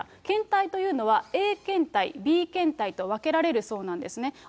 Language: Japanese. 検体というのは、Ａ検体、Ｂ検体と分けられるそうなんですね。